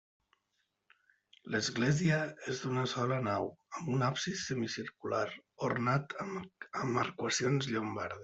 L'església és d'una sola nau, amb un absis semicircular ornat amb arcuacions llombardes.